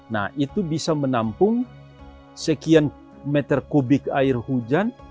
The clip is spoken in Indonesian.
nah itu bisa menampung sekian meter kubik air hujan